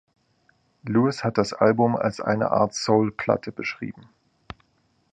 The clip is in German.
Lewis hat das Album als „eine Art Soul-Platte“ beschrieben.